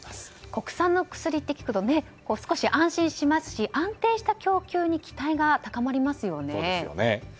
国産の薬と聞くと少し安心しますし安定した供給に期待が高まりますよね。